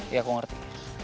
ya aku ngerti